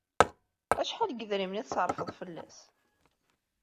Acḥal n yidrimen i tṣerrfeḍ fell-as.